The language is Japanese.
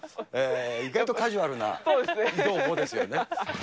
意外とカジュアルな移動法ですよね。